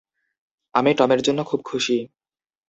আমি টমের জন্য খুব খুশি।